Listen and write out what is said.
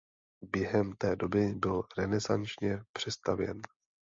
Během té doby byl renesančně přestavěn.